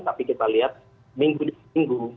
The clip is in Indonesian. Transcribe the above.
tapi kita lihat minggu dan minggu